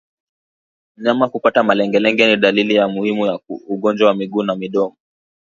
Mnyama kupata malengelenge ni dalili muhimu ya ugonjwa wa miguu na midomo